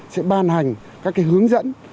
sẽ ban hành các cái hướng dẫn